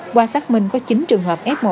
qua xác minh có chín trường hợp s một